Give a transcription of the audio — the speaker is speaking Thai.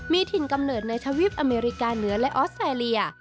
มีถิ่นกำเนิดในทวีปอเมริกาเหนือและออสเตรเลีย